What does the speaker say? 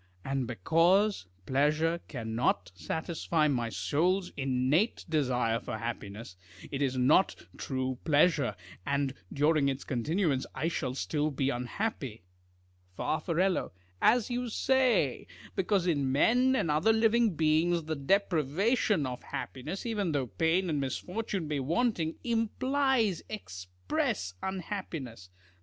And because pleasure cannot satisfy my soul's innate desire for happiness, it is not true pleasure, and during its continuance I shall still be unhappy. Far. As you say: because in men and other living beings, the deprivation of happiness, even though pain and misfortune be wanting, implies express unhappiness.